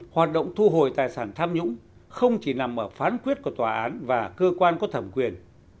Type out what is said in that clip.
hoạt động thu hồi tài sản tham nhũng không chỉ nằm ở phán quyết của tòa án và cơ quan có thẩm quyền